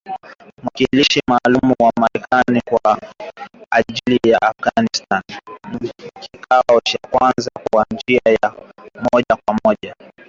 Mwakilishi maalum wa Marekani kwa ajili ya Afghanistan anaongoza ujumbe wa Marekani kwenye kikao cha kwanza kwa njia ya moja kwa moja.